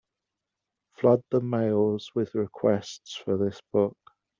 Flood the mails with requests for this book.